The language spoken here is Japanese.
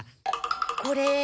これ？